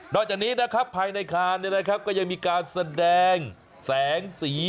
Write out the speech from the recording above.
จากนี้นะครับภายในคานก็ยังมีการแสดงแสงสี